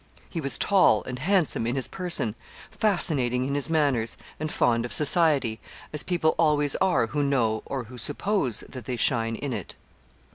He was tall and handsome in his person, fascinating in his manners, and fond of society, as people always are who know or who suppose that they shine in it.